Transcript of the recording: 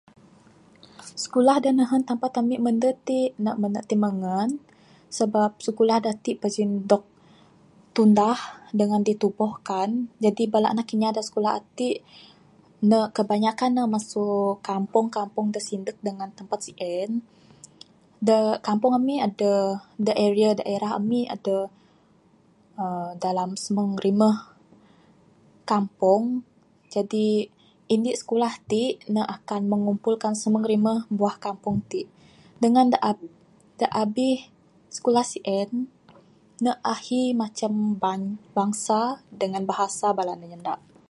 Skulah da nehen tampat ami mende ti mene timengen sabab skulah da ati pajin dog tundah dangan ditubuhkan Jadi bala anak inya da skulah ati ne kebanyakkan ne masu kampung Kampung da sindek dangan tampat sien. Da kampung ami adeh da area daerah ami adeh dalam simuhung rimeh Kampung jadi Indi skulah ti ne akan mengumpulkan simuhung rimeh buah Kampung ti dangan da abih da abih sikulah sien ne ahi macam bang bangsa dangan bahasa bala ne nyanda.